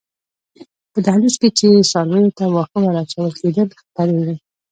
په دهلېز کې چې څارویو ته واښه ور اچول کېدل خپرې وې.